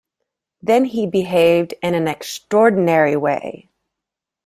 Then he behaved in an extraordinary way.